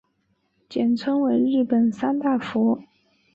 简称为日本三大佛。